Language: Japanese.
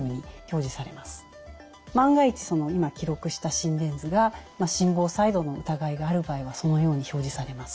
万が一今記録した心電図が心房細動の疑いがある場合はそのように表示されます。